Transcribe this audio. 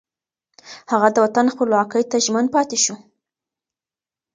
هغه د وطن خپلواکۍ ته ژمن پاتې شو